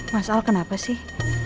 mas al kenapa sih